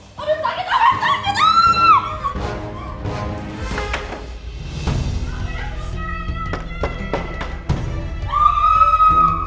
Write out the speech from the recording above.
aduh sakit amat tolong tidak